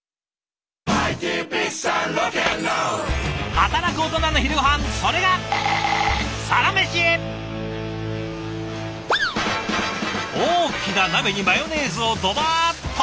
働くオトナの昼ごはんそれが大きな鍋にマヨネーズをドバーッと。